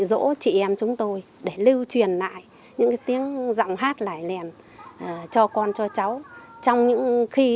dỗ chị em chúng tôi để lưu truyền lại những tiếng giọng hát lài lèn cho con cho cháu trong những khi